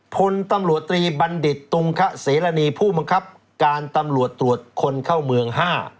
พลตำรวจตรีบัณฑิตตุงคะเสรณีผู้บังคับการตำรวจตรวจคนเข้าเมือง๕